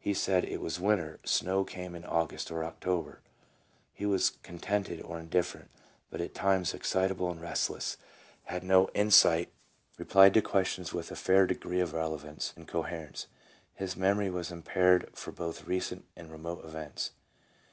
He said it was winter, snow came in August or October. He was contented or indifferent, but at times excitable and restless, had no insight, replied to questions with a fair degree of relevance and co herence. His memory was impaired for both recent and remote events.